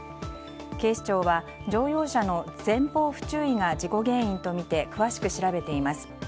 警視庁は乗用車の前方不注意が事故原因とみて詳しく調べています。